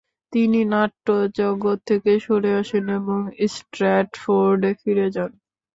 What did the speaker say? তিনি নাট্যজগৎ থেকে সরে আসেন এবং স্ট্র্যাটফোর্ডে ফিরে যান।